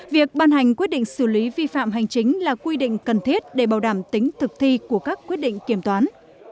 việc ban hành quyết định xử lý vi phạm hành chính là quy định cần thiết để bảo đảm tính thực thi của các quyết định kiểm toán